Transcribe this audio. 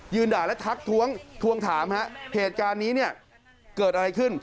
ด่าและทักท้วงทวงถามฮะเหตุการณ์นี้เนี่ยเกิดอะไรขึ้น